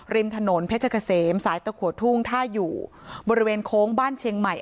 ริมถนนเพชรเกษมสายตะขัวทุ่งท่าอยู่บริเวณโค้งบ้านเชียงใหม่